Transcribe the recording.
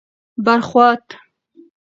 بر خوات: